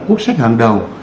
quốc sách hàng đầu